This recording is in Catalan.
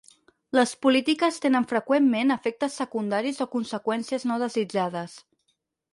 Les polítiques tenen freqüentment efectes secundaris o conseqüències no desitjades.